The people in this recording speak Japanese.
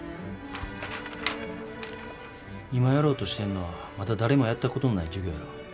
今やろうとしてんのはまだ誰もやったことのない事業やろ。